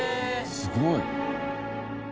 すごい。